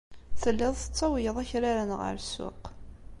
Telliḍ tettawyeḍ akraren ɣer ssuq.